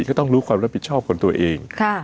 ก็ต้องรู้ความรับผิดชอบของตัวเอง